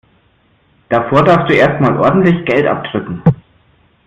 Davor darfst du erst mal ordentlich Geld abdrücken.